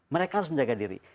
mereka harus menjaga diri